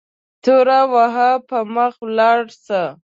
تور وهه په مخه ولاړ سه